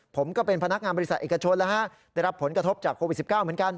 ผมก็เป็นพนักงานบริษัทเอกชนแล้วฮะได้รับผลกระทบจากโควิด๑๙เหมือนกัน